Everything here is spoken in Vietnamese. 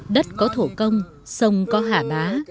đất có thổ công sông có hạ bá